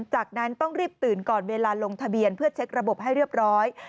จากนั้นต้องรีบตื่นก่อนเวลาลงทะเบียนเพื่อเช็คระบบให้เรียบร้อย